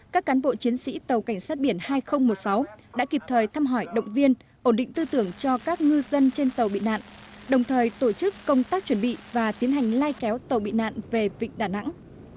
các cán bộ chiến sĩ tàu cảnh sát biển hai nghìn một mươi sáu đã kịp thời thăm hỏi động viên ổn định tư tưởng cho các ngư dân trên tàu bị nạn đồng thời tổ chức công tác chuẩn bị và tiến hành lai kéo tàu bị nạn về vịnh đà nẵng